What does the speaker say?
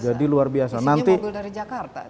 jadi luar biasa isinya mobil dari jakarta